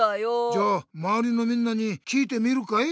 じゃあまわりのみんなに聞いてみるかい？